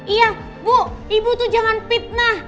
iya bu ibu tuh jangan fitnah